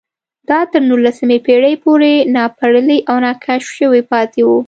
دا تر نولسمې پېړۍ پورې ناسپړلي او ناکشف شوي پاتې وو